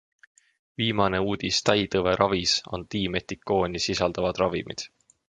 Viimane uudis täitõve ravis on dimetikooni sisaldavad ravimid.